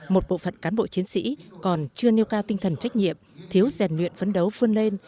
một bộ phận cán bộ chiến sĩ còn chưa nêu cao tinh thần trách nhiệm thiếu rèn luyện phấn đấu vươn lên